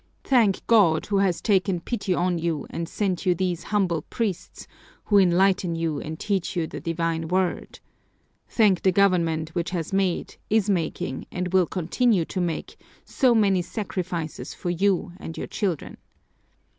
Thank God, who has taken pity on you and sent you these humble priests who enlighten you and teach you the divine word! Thank the government, which has made, is making, and will continue to make, so many sacrifices for you and your children!